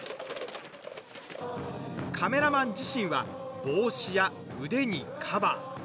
カメラマン自身は帽子や腕にカバー。